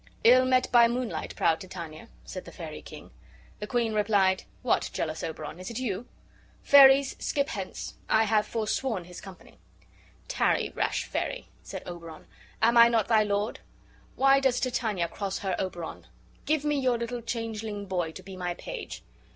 "Ill met by moonlight, proud Titania," said the fairy king. The queen replied: "What, jealous Oberon, is it you? Fairies, skip hence; I have forsworn his company." "Tarry, rash fairy," said Oberon. "Am I not thy lord? Why does Titania cross her Oberon? Give me your little changeling boy to be my page."